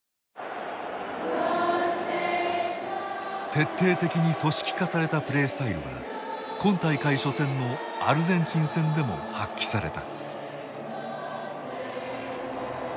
徹底的に組織化されたプレースタイルは今大会初戦のアルゼンチン戦でも発揮された。